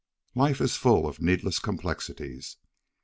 Life is full of needless complexities.